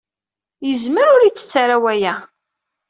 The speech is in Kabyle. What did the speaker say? Yezmer ur yettett ara waya.